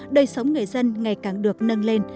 đời sống người dân ngày càng được nâng lên